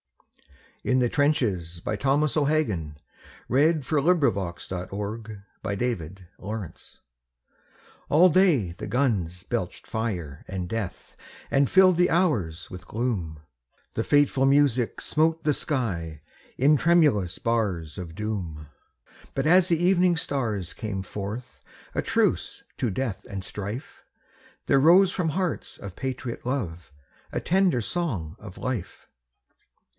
ur dust stained, fear less King: So I take off my hat to Albert. 89 IN THE TRENCHES. ALL day the guns belched fire and death And filled the hours with gloom; The fateful music smote the sky In tremulous bars of doom ; But as the evening stars came forth A truce to death and strife, There rose from hearts of patriot love A tender song of life.